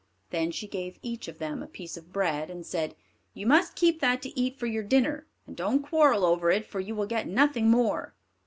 Then she gave each of them a piece of bread, and said, "You must keep that to eat for your dinner, and don't quarrel over it, for you will get nothing more."